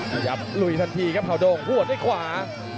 ขยับลุยทันทีครับข่าวโดงหัวด้วยขวา